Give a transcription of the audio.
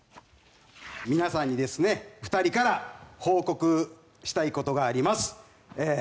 皆さんにですね、２人から報告したいことがあります。